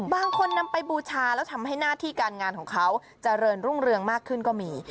บางคนนำไปบูชาแล้วทำให้หน้าที่การงานของเขาเจริญรุ่งเรืองมากขึ้นก็มี